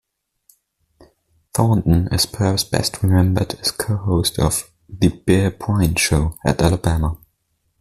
Thornton is perhaps best remembered as co-host of "The Bear Bryant Show" at Alabama.